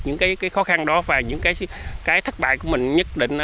những cái khó khăn đó và những cái thất bại của mình nhất định